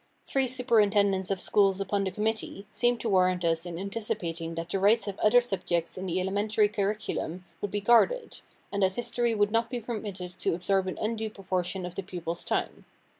Three superintendents of schools upon the committee seemed to warrant us in anticipating that the rights of other subjects in the elementary curriculum would be guarded, and that history would not be permitted to absorb an undue proportion of the pupil's time.